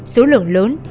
số lượng lớn